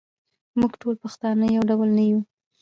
موږ ټول پښتانه یو ډول نه یوو.